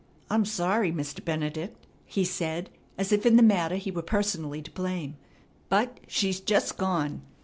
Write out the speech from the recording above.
"I'm sorry, Mr. Benedict," he said, as if in the matter he were personally to blame; "but she's just gone.